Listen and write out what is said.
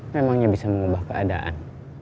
memangnya bisa mengubah keadaan